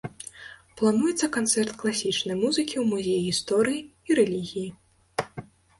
Плануецца канцэрт класічнай музыкі ў музеі гісторыі і рэлігіі.